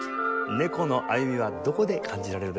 猫の歩みはどこで感じられるでしょうかね？